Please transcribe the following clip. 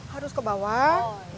harus ke bawah